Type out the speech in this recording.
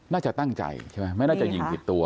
น่าจะตั้งใจใช่ไหมไม่น่าจะยิงผิดตัว